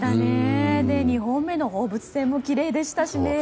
２本目の放物線もきれいでしたしね。